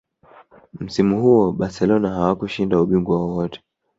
msimu huo barcelona hawakushinda ubingwa wowote